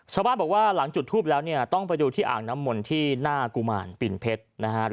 ชาวบ้านบอกว่าหลังจุดทูปแล้วเนี่ยต้องไปดูที่อ่างน้ำมนต์ที่หน้ากุมารปิ่นเพชรนะฮะ